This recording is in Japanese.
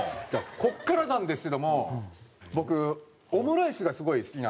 ここからなんですけども僕オムライスがすごい好きなんですよ。